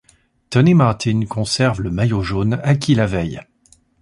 Tony Martin conserve le maillot jaune acquis la veille.